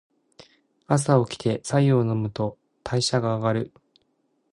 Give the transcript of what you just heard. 朝おきて白湯を飲むと代謝が上がる。